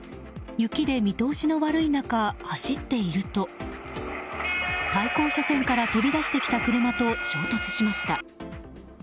雪で見通しの悪い中走っていると対向車線から飛び出してきた車と衝突しました。